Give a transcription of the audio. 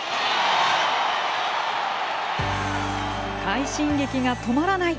快進撃が止まらない。